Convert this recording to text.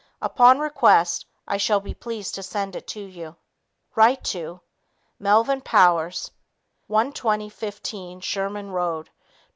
Upon request, I shall be pleased to send it to you. Write to: Melvin Powers, 12015 Sherman Road, No.